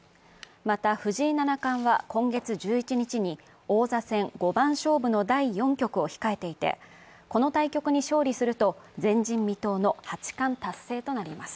また藤井七冠は今月１１日に王座戦五番勝負第４局を控えていてこの対局に勝利すると前人未到の八冠達成となります。